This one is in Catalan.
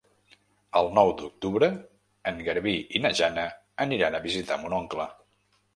El nou d'octubre en Garbí i na Jana aniran a visitar mon oncle.